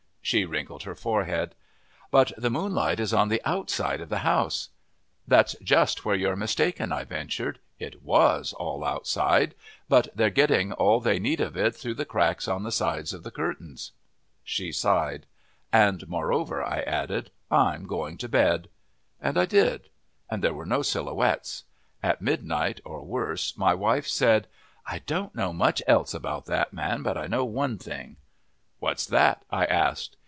She wrinkled her forehead. "But the moonlight is on the outside of the house." "That's just where you're mistaken," I ventured. "It was all outside, but they're getting all they need of it through the cracks on the sides of the curtain." She sighed. "And moreover," I added, "I'm going to bed." And I did; and there were no Silhouettes. At midnight or worse my wife said: "I don't know much else about that man, but I know one thing." "What's that?" I asked.